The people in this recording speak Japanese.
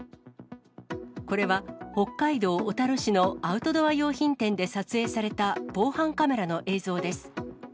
これは北海道小樽市のアウトドア用品店で撮影された防犯カメラの映像です。